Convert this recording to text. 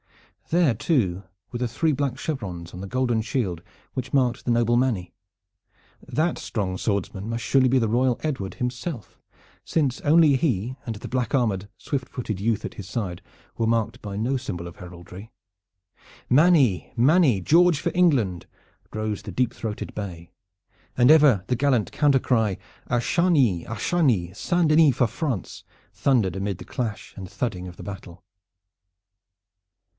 There too were the three black chevrons on the golden shield which marked the noble Manny. That strong swordsman must surely be the royal Edward himself, since only he and the black armored swift footed youth at his side were marked by no symbol of heraldry. "Manny! Manny! George for England!" rose the deep throated bay, and ever the gallant counter cry: "A Chargny! A Chargny! Saint Denis for France!" thundered amid the clash and thudding of the battle.